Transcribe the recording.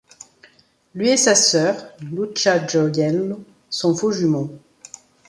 Lui et sa sœur, Lucia Gioiello, sont faux jumeaux.